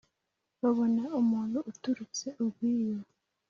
Babona umuntu uturutse urw'iyo